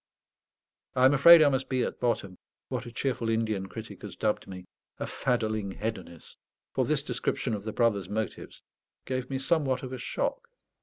I am afraid I must be at bottom, what a cheerful Indian critic has dubbed me, "a faddling hedonist," for this description of the brother's motives gave me somewhat of a shock.